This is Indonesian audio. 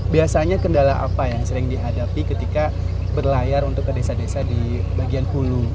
biasanya kendala apa yang sering dihadapi ketika berlayar untuk ke desa desa di bagian hulu